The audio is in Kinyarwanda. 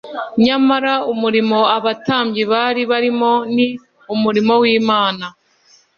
nyamara umurimo abatambyi bari barimo ni umurimo w’imana